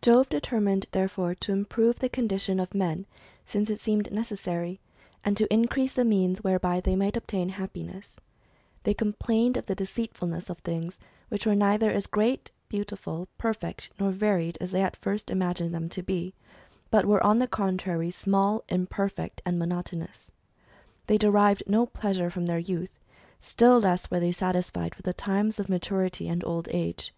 Jove determined therefore to improve the condition of men, since it seemed necessary, and to increase the means whereby they might obtain happiness. They complained of the deceitf ulness of things ; which were HISTORY OF THE HUMAN RACE. 3 neither as great, beautiful, perfect, nor varied as they at first imagined tliem to be ; but were, on the contrary, small, imperfect, and monotonous. They derived no pleasure from their youth ; still less were they satisfied with the times of maturity, and old age.